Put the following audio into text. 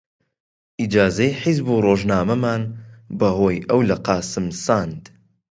ئیجازەی حیزب و ڕۆژنامەمان بە هۆی ئەو لە قاسم ساند